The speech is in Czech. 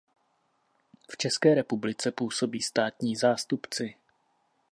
V České republice působí státní zástupci.